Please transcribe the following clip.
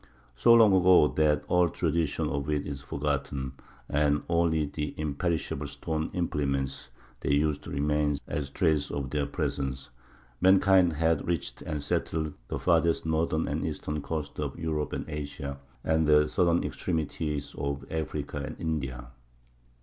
So long ago that all tradition of it is forgotten, and only the imperishable stone implements they used remain as traces of their presence, mankind had reached and settled the farthest northern and eastern coasts of Europe and Asia, and the southern extremities of Africa and India.